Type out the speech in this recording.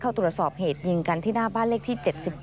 เข้าตรวจสอบเหตุยิงกันที่หน้าบ้านเลขที่๗๘